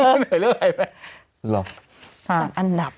เหนื่อยเรื่อยหลังอันดับ